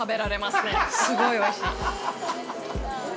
すごいおいしい。